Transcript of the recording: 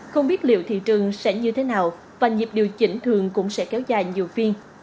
không biết liệu thị trường sẽ như thế nào và nhịp điều chỉnh thường cũng sẽ kéo dài nhiều phiên